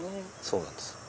そうなんです。